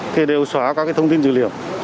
thì đều xóa các thông tin dữ liệu